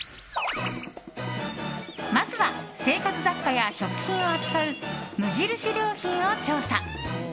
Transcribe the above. まずは生活雑貨や食品を扱う無印良品を調査。